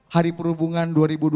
hari perhubungan dua ribu dua puluh